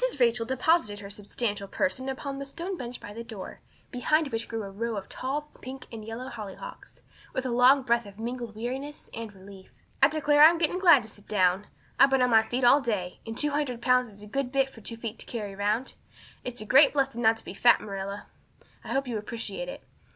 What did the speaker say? Rachel deposited her substantial person upon the stone bench by the door, behind which grew a row of tall pink and yellow hollyhocks, with a long breath of mingled weariness and relief. "I declare I'm getting glad to sit down. I've been on my feet all day, and two hundred pounds is a good bit for two feet to carry round. It's a great blessing not to be fat, Marilla. I hope you appreciate it.